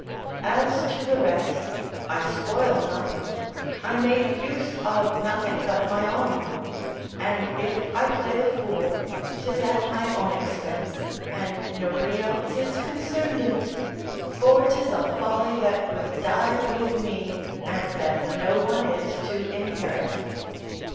As to the rest, I spoil nothing, I make use of nothing but my own; and if I play the fool, 'tis at my own expense, and nobody else is concerned in't; for 'tis a folly that will die with me, and that no one is to inherit.